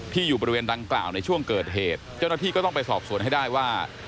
อยู่บริเวณดังกล่าวในช่วงเกิดเหตุเจ้าหน้าที่ก็ต้องไปสอบสวนให้ได้ว่า